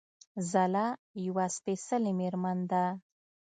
ځلا يوه سپېڅلې مېرمن ده